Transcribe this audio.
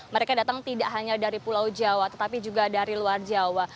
mereka datang tidak hanya dari pulau jawa tetapi juga dari luar jawa